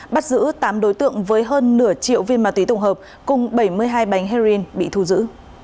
bắt giữ tám đối tượng với hơn nửa triệu viên ma túy tổng hợp cùng bảy mươi hai bánh heroin bị thu giữ